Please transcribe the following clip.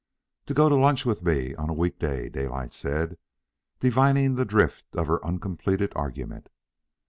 "To go to lunch with me on a week day," Daylight said, divining the drift of her uncompleted argument.